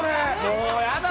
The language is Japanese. もうやだ。